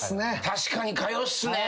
確かに火曜っすね。